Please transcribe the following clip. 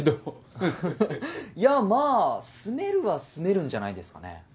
はははっいやまあ住めるは住めるんじゃないですかね。